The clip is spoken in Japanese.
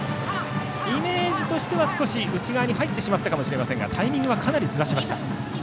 イメージとしては少し内側に入ったかもしれませんがタイミングはかなりずらしました。